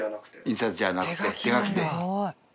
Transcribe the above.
印刷じゃなくて手書きで。